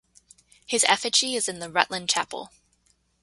His effigy is in the Rutland Chapel.